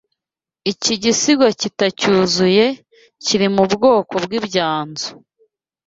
Iki gisigo kitacyuzuye, kiri mu bwoko bw'" Ibyanzu ".